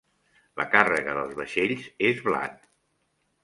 La càrrega dels vaixells és blat.